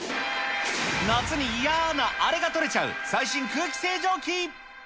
夏にいやーなあれが取れちゃう、最新空気清浄機。